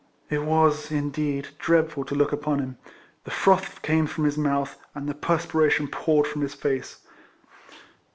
It was, indeed, dreadful to look upon him ; the froth came from his mouth, and the perspiration poured from his face.